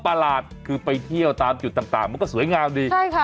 ประหลาดคือไปเที่ยวตามจุดต่างมันก็สวยงามดีใช่ค่ะ